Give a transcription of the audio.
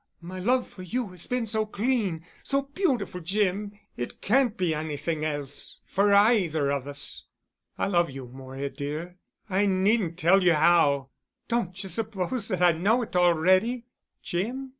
My love for you has been so clean—so beautiful, Jim. it can't be anything else—for either of us." "I love you, Moira dear. I needn't tell you how——" "Don't you suppose that I know already, Jim?